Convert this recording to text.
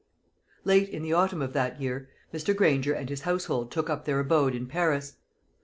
Late in the autumn of that year, Mr. Granger and his household took up their abode in Paris.